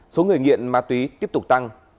số người nghiện ma túy tiếp tục tăng